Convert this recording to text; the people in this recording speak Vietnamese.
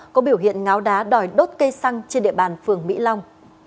có biểu hiện ngáo đá đòi đốt cây xăng trên địa bàn phường mỹ long